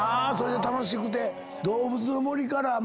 楽しくて。